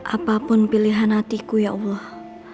apapun pilihan hatiku ya allah